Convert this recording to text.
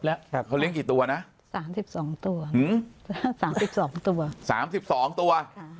แล้วเขาเลี้ยงกี่ตัวนะ๓๒ตัว๓๒ตัว๓๒ตัว